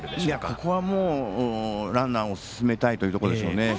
ここはランナーを進めたいというところでしょうね。